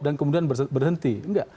dan kemudian berhenti